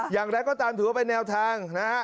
อย่างแรกก็ตามถือว่าไปแนวทางนะครับ